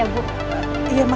yang ciri cirinya itu